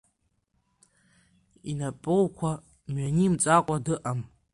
Инапоуқәа мҩанимҵакәа дыҟам.